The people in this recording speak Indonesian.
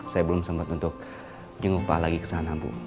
saya belum sempat untuk jenguk pak lagi kesana bu